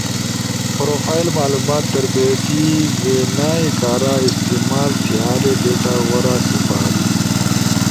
پروفائل معلومات تربیتی وینا ئی کارا استعمال تھیالے ڈیٹا غورا سپاری۔